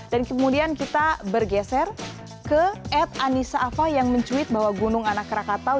dan kemudian kita bergeser ke ed anissa afah yang mencuit bahwa gunung anak krakatau